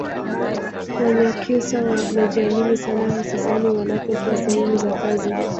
Wanyakyusa wanajiamini sana hususani wanapokuwa sehemu za kazi